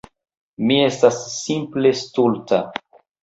Mi estas simple stulta.